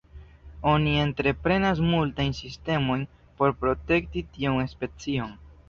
Oni entreprenas multajn sistemojn por protekti tiun specion.